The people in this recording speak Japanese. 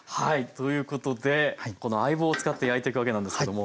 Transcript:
ということでこの相棒を使って焼いていくわけなんですけども。